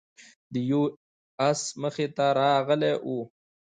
د یو آس مخې ته راغلی و،